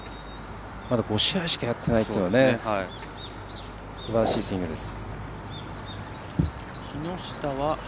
まだ５試合しかやっていないというのはすばらしいスイングです。